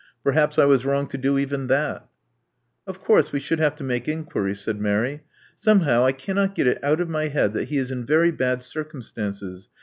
Perhaps I was wrong to do even that." Of course we should have to make inquiries," said Mary. Somehow, I cannot get it out of my head that he is in very bad circumstances.